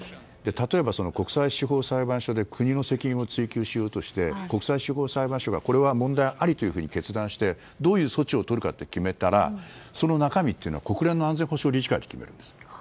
例えば、国際司法裁判所で国の責任を追及して国際司法裁判所がこれは問題ありと決断してどういう措置をとるか決めたらその中身は国連安全保障理事会が決めるんです。